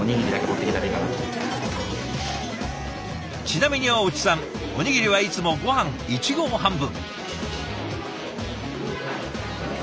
ちなみに大内さんおにぎりはいつもごはん１合半分。